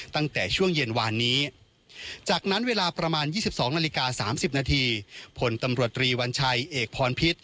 ตั้งแต่ช่วงเย็นวานนี้